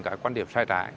các quan điểm sai trải